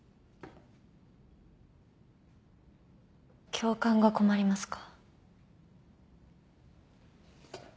教官が困りますか？